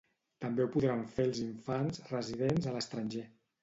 També ho podran fer els infants residents a l'estranger.